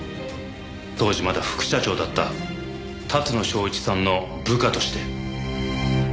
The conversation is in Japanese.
当時まだ副社長だった龍野祥一さんの部下として。